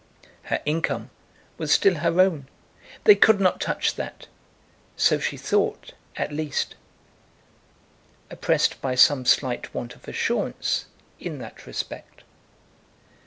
Her income was still her own. They could not touch that. So she thought, at least, oppressed by some slight want of assurance in that respect.